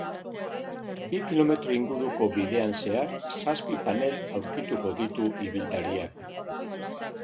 Bi kilometro inguruko bidean zehar, zazpi panel aurkituko ditu ibiltariak.